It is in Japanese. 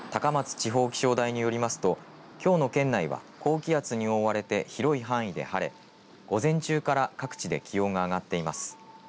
地方気象台によりますときょうの県内は高気圧に覆われて広い範囲で晴れ午前中から各地で気温が上がっています。